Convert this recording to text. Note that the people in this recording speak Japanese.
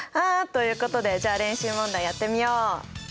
ということでじゃあ練習問題やってみよ。